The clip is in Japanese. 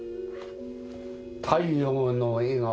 「太陽の笑顔よ